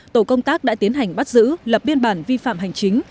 tổ công tác đã tiến hành bắt giữ lập biên bản vi phạm hành chính